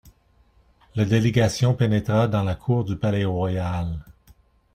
La délégation pénétra dans la cour du Palais-Royal.